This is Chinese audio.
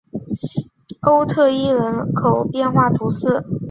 欧特伊人口变化图示